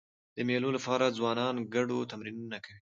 د مېلو له پاره ځوانان ګډو تمرینونه کوي.